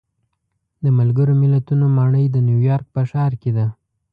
د ملګرو ملتونو ماڼۍ د نیویارک په ښار کې ده.